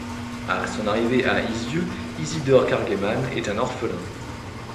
Â son arrivée à Izieu, Isidore Kargeman est un orphelin.